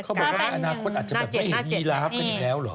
เขาบอกว่าอาณาคตอาจจะไม่เห็นยีราฟกันอยู่แล้วหรอ